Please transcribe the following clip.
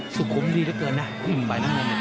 สุขมดีเหลือเกินนะ